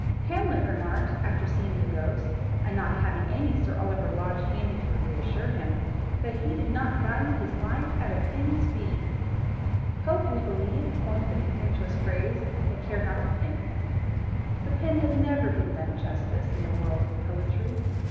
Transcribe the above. Hamlet remarked, after seeing the ghost, and not having any Sir Oliver Lodge handy to reassure him, that he did not value his life at a pin's fee. Pope, we believe, coined the contemptuous phrase, "I care not a pin." The pin has never been done justice in the world of poetry.